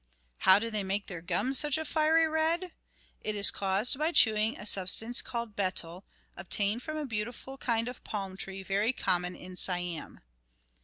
How do they make their gums such a fiery red? It is caused by chewing a substance called betel, obtained from a beautiful kind of palm tree very common in Siam.